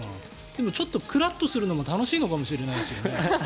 でもちょっとくらっとするのも楽しいのかもしれないですよね。